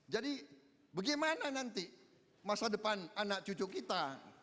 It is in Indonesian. jadi bagaimana nanti masa depan anak cucu kita